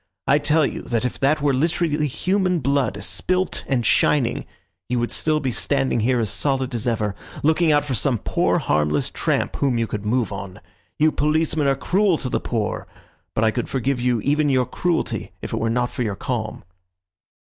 I tell you that if that were literally human blood, spilt and shining, you would still be standing here as solid as ever, looking out for some poor harmless tramp whom you could move on. You policemen are cruel to the poor, but I could forgive you even your cruelty if it were not for your calm."